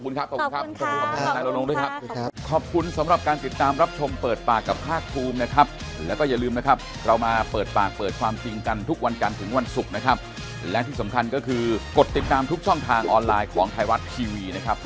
ขอบคุณนะครับเป็นกำลังใช้กับทุกภายนะครับ